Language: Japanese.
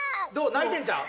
泣いてんちゃう？